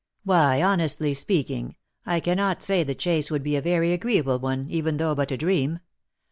"Why, honestly speaking, I cannot say the chase would be a very agreeable one, even though but a dream.